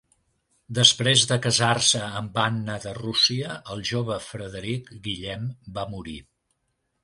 Després de casar-se amb Anna de Rússia, el jove Frederic Guillem va morir.